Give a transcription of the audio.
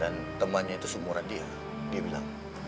dan temannya itu seumuran dia